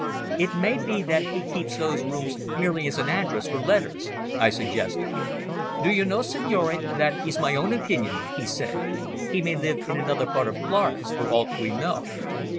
"It may be that he keeps those rooms merely as an address for letters," I suggested. "Do you know, signore, that is my own opinion?" he said. "He may live in another part of Florence for aught we know."